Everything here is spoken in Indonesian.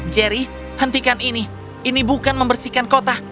jerry hentikan ini ini bukan membersihkan kota